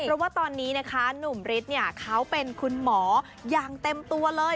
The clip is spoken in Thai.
เพราะว่าตอนนี้นะคะหนุ่มฤทธิ์เนี่ยเขาเป็นคุณหมออย่างเต็มตัวเลย